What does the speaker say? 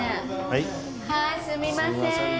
はいすみません。